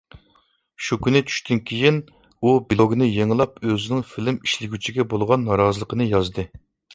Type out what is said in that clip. شۇ كۈنى چۈشتىن كېيىن، ئۇ بىلوگنى يېڭىلاپ ئۆزىنىڭ فىلىم ئىشلىگۈچىگە بولغان نارازىلىقىنى يازدى.